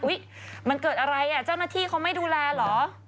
มันเกิดอะไรอ่ะเจ้าหน้าที่เขาไม่ดูแลเหรอ